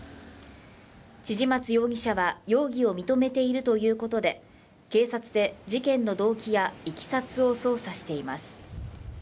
千々松容疑者は容疑を認めているということで警察で事件の動機やいきさつを捜査しています